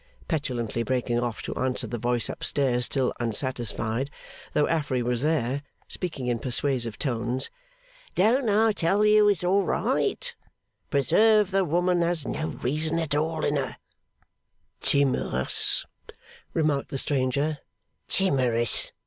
petulantly breaking off to answer the voice up stairs, still unsatisfied, though Affery was there, speaking in persuasive tones. 'Don't I tell you it's all right? Preserve the woman, has she no reason at all in her!' 'Timorous,' remarked the stranger. 'Timorous?